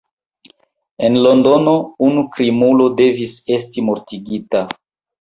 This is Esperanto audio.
En Londono unu krimulo devis esti mortigita.